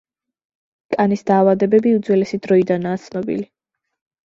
კანის დაავადებები უძველესი დროიდანაა ცნობილი.